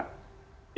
ya sama sekali